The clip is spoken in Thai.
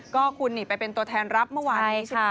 ก็คุณนี่ไปเป็นตัวแทนรับเมื่อวานนี้ใช่ไหม